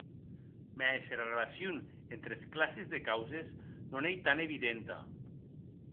Mès era relacion entre es classes de causes non ei tant evidenta.